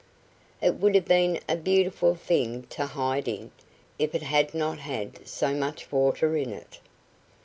It would have been a beautiful thing to hide in, if it had not had so much water in it.